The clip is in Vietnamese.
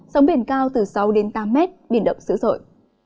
sóng biển cao từ sáu tám m biển động dữ dội